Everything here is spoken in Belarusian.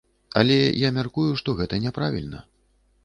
Але я мяркую, што гэта няправільна.